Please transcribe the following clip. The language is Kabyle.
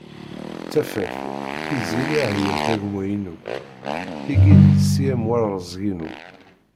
Tafat, Tiziri ahya-k a gma-inu. Tigi d yessi am warrezg-inu.